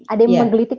ada yang menggelitik